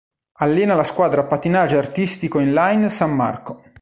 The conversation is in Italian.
Allena la squadra Pattinaggio Artistico Inline San Marco.